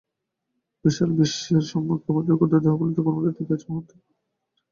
বিশাল বিশ্বের সম্মুখে আমাদের ক্ষু্দ্র দেহগুলি কোনমতে টিকিয়া আছে, মুহূর্তমধ্যে ভাঙিয়া পড়িতে পারে।